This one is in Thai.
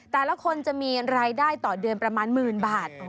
แต่ละคนจะมีรายได้ต่อเดือนประมาณหมื่นบาท